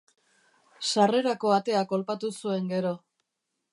Sarrerako atea kolpatu zuen gero.